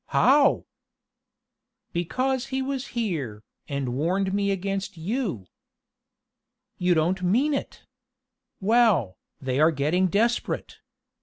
How?" "Because he was here, and warned me against you!" "You don't mean it! Well, they are getting desperate!